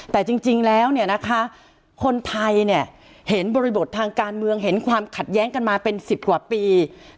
แต่จริงแล้วคนไทยเห็นบริบททางการเมืองเห็นความขัดแย้งกันมาเป็น๑๐กว่าปี